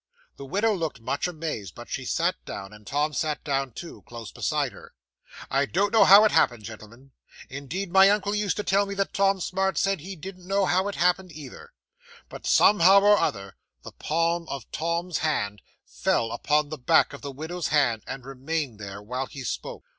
'The widow looked much amazed, but she sat down, and Tom sat down too, close beside her. I don't know how it happened, gentlemen indeed my uncle used to tell me that Tom Smart said he didn't know how it happened either but somehow or other the palm of Tom's hand fell upon the back of the widow's hand, and remained there while he spoke.